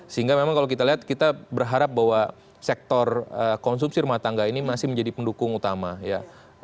sehingga memang kalau kita lihat kita berharap bahwa sektor konsumsi rumah tangga ini masih menjadi pendukung utama ya